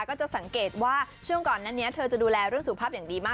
ก็จะสังเกตว่าช่วงก่อนนั้นนี้เธอจะดูแลเรื่องสุขภาพอย่างดีมาก